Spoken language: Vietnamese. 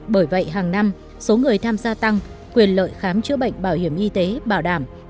bởi vậy hàng năm số người tham gia tăng quyền lợi khám chữa bệnh bảo hiểm y tế bảo đảm